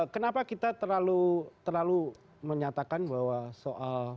kenapa kita terlalu menyatakan bahwa soal